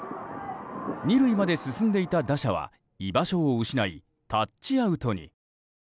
２塁まで進んでいた打者は居場所を失いタッチアウトに。